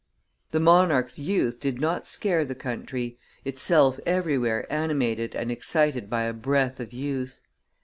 The monarch's youth did not scare the country, itself everywhere animated and excited by a breath of youth.